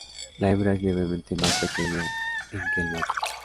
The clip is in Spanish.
La hembra es levemente más pequeña en que el macho.